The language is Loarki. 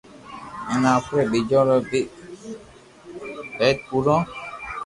ھين آپري ٻچو رو بي پيت ڀروو